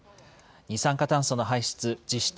二酸化炭素の排出実質